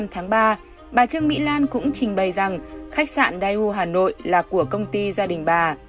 tháng ba bà trương mỹ lan cũng trình bày rằng khách sạn daewoo hà nội là của công ty gia đình bà